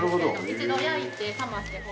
一度焼いて冷ましてこう。